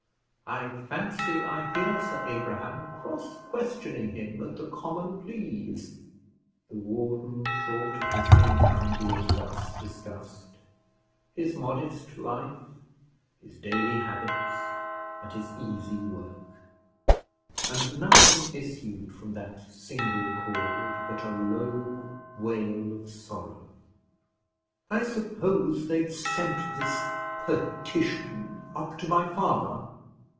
I fancy I hear Sir Abraham cross questioning him at the Common Pleas." The warden thought of his income being thus discussed, his modest life, his daily habits, and his easy work; and nothing issued from that single cord, but a low wail of sorrow. "I suppose they've sent this petition up to my father."